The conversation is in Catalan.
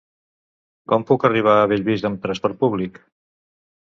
Com puc arribar a Bellvís amb trasport públic?